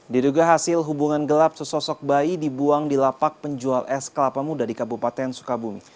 diduga hasil hubungan gelap sesosok bayi dibuang di lapak penjual es kelapa muda di kabupaten sukabumi